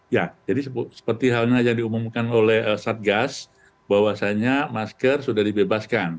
ya jadi seperti hal ini saja yang diumumkan oleh satgas bahwasannya masker sudah dibebaskan